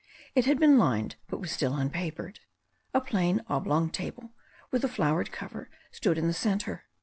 It had been lined, but was still unpapered. A plain, oblong table, with a flowered cover, stood in the centre.